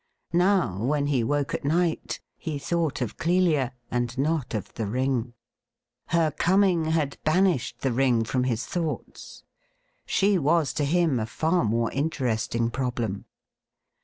Now, when he woke at night he thought of Clelia, and not of the ring. Her coming had Mr. marmaduke coffin 67 banished the ring from his thoughts. She was to him a far more interesting problem.